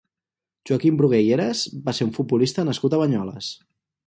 Joaquim Brugué i Heras va ser un futbolista nascut a Banyoles.